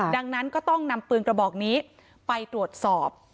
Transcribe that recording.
ดังนั้นก็ต้องนำปืนกระบอกนี้ไปตรวจสอบ